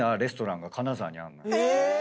え！